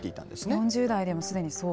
４０代でもすでにそう。